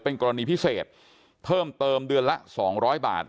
กรณีพิเศษเพิ่มเติมเดือนละ๒๐๐บาท